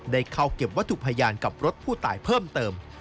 ได้เข้าเก็บวัตถุพยานกับรถผู้ตายเพิ่มเติม